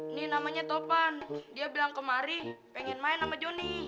ini namanya topan dia bilang ke mari pengen main sama jonny